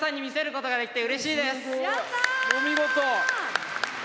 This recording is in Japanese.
お見事！